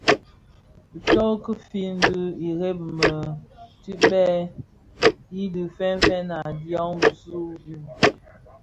Tsok ki fin dhi ireb më tidhëk bidhi fènfèn a dyaň bisu u.